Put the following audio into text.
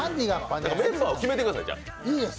メンバーを決めてください。